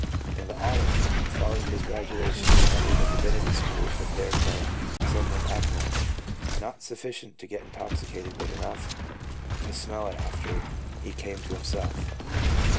In the autumn following his graduation he entered a divinity school and there drank some when abnormal, not sufficient to get intoxicated, but enough to smell it after he came to himself.